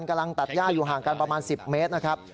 กำลังตัดย่าอยู่ห่างกันประมาณ๑๐เมตรนะครับ